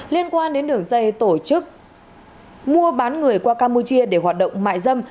liên quan đến đường dây tổ chức mua bán người qua campuchia để hoạt động mại dâm